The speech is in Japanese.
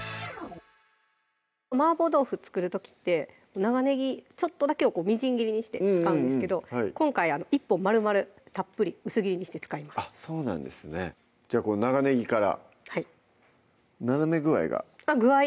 麻婆豆腐作る時って長ねぎちょっとだけをみじん切りにして使うんですけど今回１本まるまるたっぷり薄切りにして使いますじゃあこの長ねぎからはい斜め具合が具合？